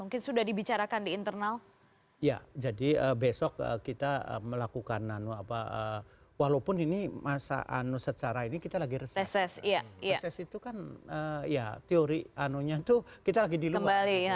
nah itu kan ya teori anunya itu kita lagi di luar